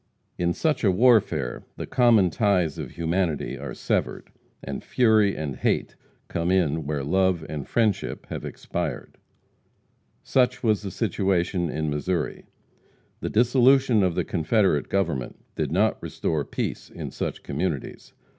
In such a warfare the common ties of humanity are severed, and fury and hate come in where love and friendship have expired. Such was the situation in Missouri. The dissolution of the Confederate Government did not restore peace in such communities.